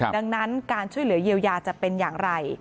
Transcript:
ดังนั้นการช่วยเหลือเยียวยาจะเป็นอย่างไร